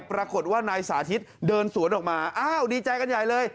ปรากฏว่านายสาธิตเดินสวนออกมาอ้าวดีใจกันใหญ่เลย